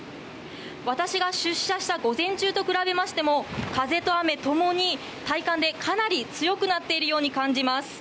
私が出社した午前中と比べても風と雨、共に体感で、かなり強くなっていると感じます。